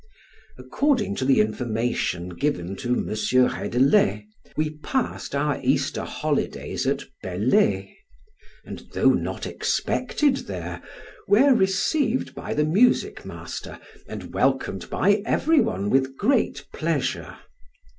According to the information given to M. Reydelet, we passed our Easter holidays at Bellay, and though not expected there, were received by the music master, and welcomed by every one with great pleasure.